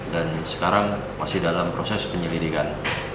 dan sekarang masih dalam proses penyelidikan